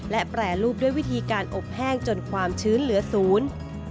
และแปรรูปด้วยวิธีการอบแห้งจนความชื้นเหลือศูนย์